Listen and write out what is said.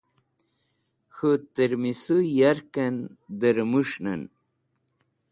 K̃hũ tẽrmisũ yarkvẽn dẽ rẽmũs̃hnẽn.